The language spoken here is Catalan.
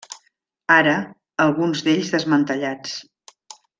Ara, alguns d'ells desmantellats.